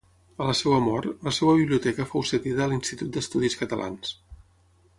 A la seva mort, la seva biblioteca fou cedida a l'Institut d'Estudis Catalans.